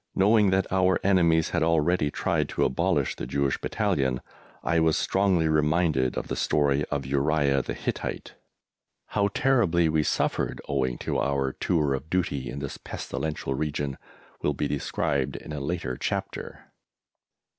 Knowing that our enemies had already tried to abolish the Jewish Battalion, I was strongly reminded of the story of Uriah the Hittite! How terribly we suffered owing to our tour of duty in this pestilential region will be described in a later chapter.